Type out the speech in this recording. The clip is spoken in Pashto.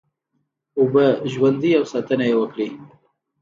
اوبه ژوند دی او ساتنه یې وکړی